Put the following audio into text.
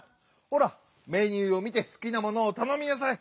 ほらメニューを見てすきなものをたのみなさい！